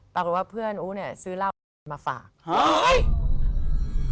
ปรากฎว่าเพื่อนอู้ซื้อเหล้ามาฝาก